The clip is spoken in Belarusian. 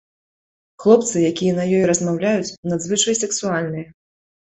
Хлопцы, якія на ёй размаўляюць, надзвычай сексуальныя.